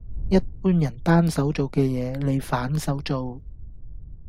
一般人單手做嘅嘢，你反手做